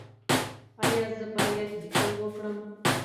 ایا زه باید لیکل وکړم؟